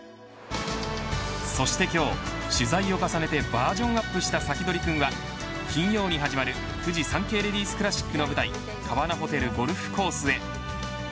そして今日、取材を重ねてバージョンアップしたサキドリくんは金曜に始まるフジサンケイレディスクラシックの舞台川奈ホテルゴルフコースへ。